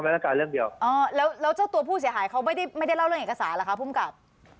อ๋อแล้วแล้วเจ้าตัวผู้เสียหายเขาไม่ได้เล่าเรื่องเอกสารเหรอคะผู้มกราบ